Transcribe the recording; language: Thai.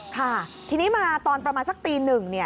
ค่ะทีนี้มาตอนประมาณสักตีหนึ่ง